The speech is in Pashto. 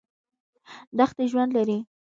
دښتې ژوند لري.